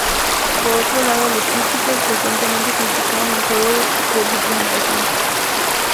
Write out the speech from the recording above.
Por otro lado, los críticos frecuentemente criticaron el juego por su presentación.